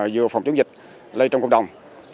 vừa phòng chống dịch lây trong cộng đồng